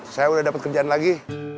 saya udah dapat kerjaan lagi